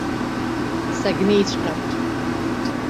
Сагьнеиҵәҟьап.